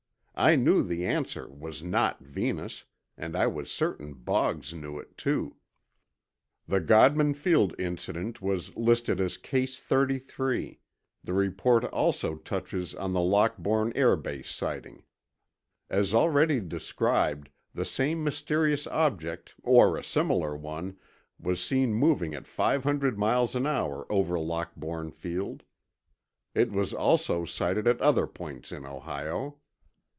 I knew the answer was not Venus, and I was certain Boggs knew it, too. The Godman Field incident was listed as Case 33. The report also touches on the Lockbourne Air Base sighting. As already described, the same mysterious object, or a similar one, was seen moving at five hundred miles an hour over Lockbourne Field. It was also sighted at other points in Ohio.